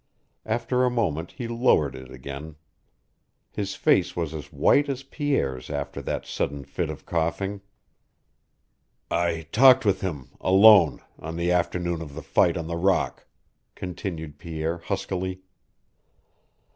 After a moment he lowered it again. His face was as white as Pierre's after that sudden fit of coughing. "I talked with him alone on the afternoon of the fight on the rock," continued Pierre, huskily.